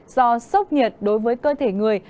do sốc nhiệt đối với cơ thể người